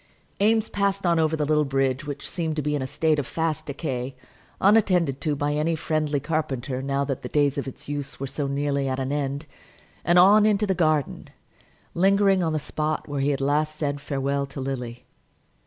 Eames passed on over the little bridge, which seemed to be in a state of fast decay, unattended to by any friendly carpenter, now that the days of its use were so nearly at an end; and on into the garden, lingering on the spot where he had last said farewell to Lily.